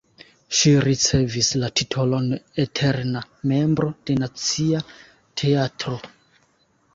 Ŝi ricevis la titolon eterna membro de Nacia Teatro.